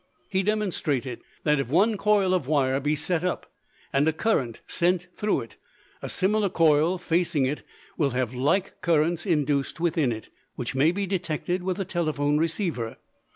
He demonstrated that if one coil of wire be set up and a current sent through it, a similar coil facing it will have like currents induced within it, which may be detected with a telephone receiver.